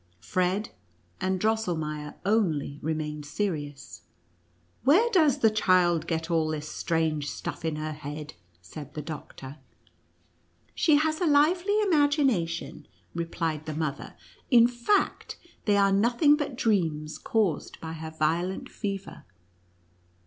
Fred and Dros selnieier only remained serious. " Where does the child get all this strange stuff in her head V said the doctor. " She has a lively imagination," replied the mother ;" in fact, they are nothing but dreams caused by her violent fever.